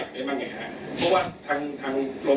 เพราะว่านักโรงพยาบาลชอบ